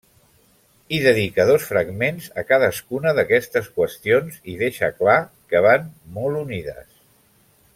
Hi dedica dos fragments a cadascuna d'aquestes qüestions i deixa clar que van molt unides.